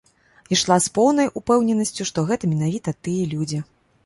Ішла з поўнай упэўненасцю, што гэта менавіта тыя людзі.